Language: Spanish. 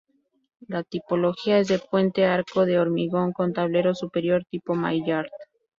La tipología es de Puente Arco de hormigón con tablero superior, tipo Maillart.